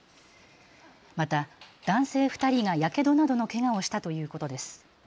また男性２人がやけどなどのけがをしたということです。